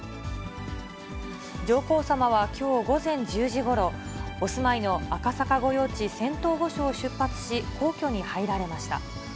上皇さまはきょう午前１０時ごろ、お住まいの赤坂御用地仙洞御所を出発し、皇居に入られました。